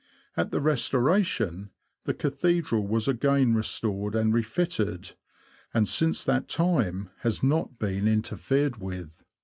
At the Restoration, the Cathedral was again restored and refitted, and since that time has not been interfered with.